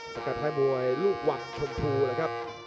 สกัดให้มวยลูกวักชมพูนะครับ